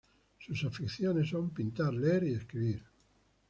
Sus aficiones son pintar, leer y escribir.